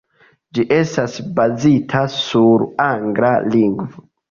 Ĝi estas bazita sur angla lingvo.